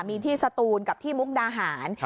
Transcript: มีที่สตูนกับที่มุกดาหาร